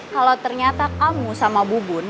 kalau ternyata kamu sama bubun